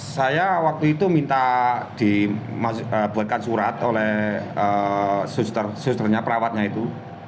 saya waktu itu minta dibuatkan surat oleh susternya perawatnya itu